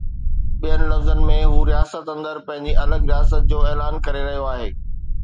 ٻين لفظن ۾ هو رياست اندر پنهنجي الڳ رياست جو اعلان ڪري رهيو آهي